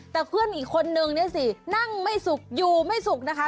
แต่เพื่อนอีกคนนึงเนี่ยสินั่งไม่สุกอยู่ไม่สุกนะคะ